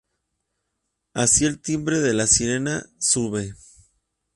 Así, el timbre de la sirena sube.